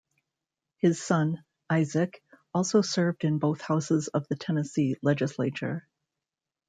His son, Isaac, also served in both houses of the Tennessee legislature.